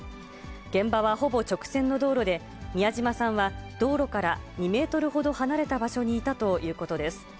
現場はほぼ直線の道路で、宮嶋さんは道路から２メートルほど離れた場所にいたということです。